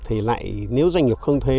thì lại nếu doanh nghiệp không thuê